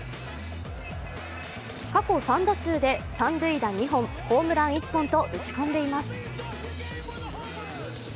過去３打数で三塁打２本、ホームラン１本と打ち込んでいます。